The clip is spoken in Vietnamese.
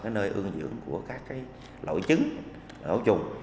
nơi ương dưỡng của các loại trứng loại trùng